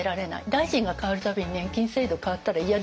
大臣が代わる度に年金制度変わったら嫌ですよね。